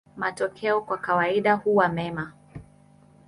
Matokeo kwa kawaida huwa mema.